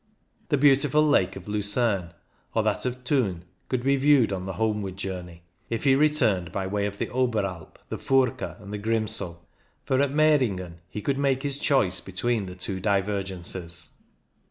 The beautiful lake of Lucerne or that of Thun could be viewed on the homeward journey, if he returned by way of the Oberalp, the Furka and the Grimsel, for 246 CYCLING IN THE ALPS at Meiringen he could make his choice between the two divergences.